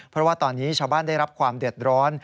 เพราะว่าตอนนี้ชาวบ้านได้รับความเดือดร้อน